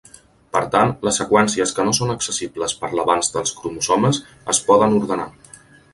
Per tant, les seqüències que no són accessibles per l'avanç dels cromosomes es poden ordenar.